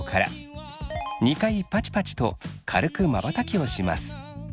２回パチパチと軽くまばたきをします。